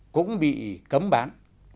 cũng bị cấm bán